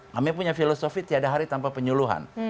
kami punya filosofi tiada hari tanpa penyuluhan